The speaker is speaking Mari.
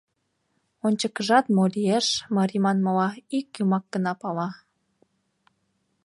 Ончыкыжат мо лиеш, марий манмыла, ик юмак гына пала.